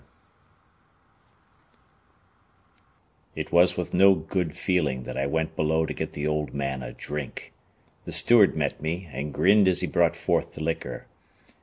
VII It was with no good feeling that I went below to get the old man a drink. The steward met me and grinned as he brought forth the liquor.